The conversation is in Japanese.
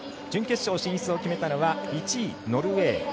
準決勝進出を決めたのが１位、ノルウェー。